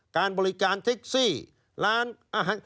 การบริการเท็กซี่ร้านอาหาร